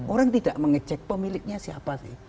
orang tidak mengecek pemiliknya siapa sih